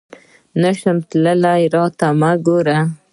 نه شم درتلای ، راته مه ګوره !